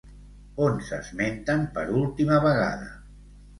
On s'esmenten per última vegada?